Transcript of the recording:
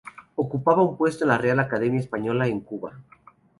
Ocupaba un puesto en la Real Academia Española en Cuba.